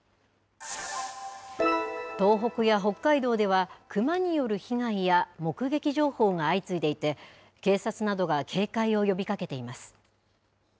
東北や北海道では、クマによる被害や目撃情報が相次いでいて、警察などが警戒を呼びかけています。